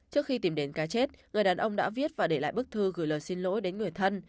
trước khi tìm đến cá chết người đàn ông đã viết và để lại bức thư gửi lời xin lỗi đến người thân